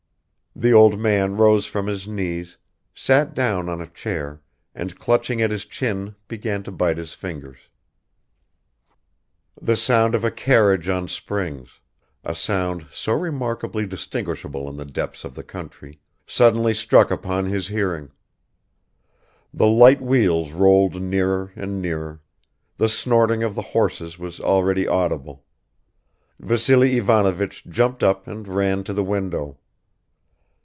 The old man rose from his knees, sat down on a chair and clutching at his chin began to bite his fingers. ..." The sound of a carriage on springs, a sound so remarkably distinguishable in the depths of the country, suddenly struck upon his hearing. The light wheels rolled nearer and nearer; the snorting of the horses was already audible. ... Vassily Ivanovich jumped up and ran to the window.